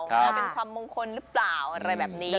เอาเป็นความมงคลหรือเปล่าอะไรแบบนี้